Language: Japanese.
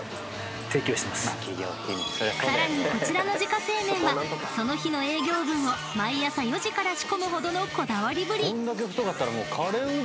［さらにこちらの自家製麺はその日の営業分を毎朝４時から仕込むほどのこだわりぶり］